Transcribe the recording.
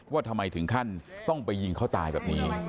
ว่าทำไมถึงขั้นต้องไปยิงเขาตายแบบนี้